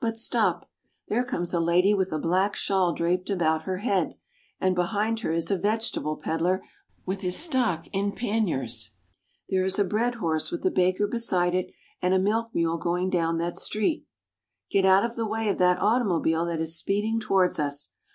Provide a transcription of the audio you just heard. But stop. There comes a lady with a black shawl draped about her head, and behind her is a vegetable ped dler with his stock in panniers on the sides of a mule. There is a bread horse with the baker beside it and a milk mule going down that side street. Get out of the way of that automobile that is speeding towards us.